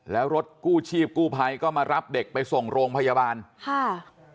แล้วรถกู้ชีพกู้ภัยก็มารับเด็กไปส่งโรงพยาบาลค่ะ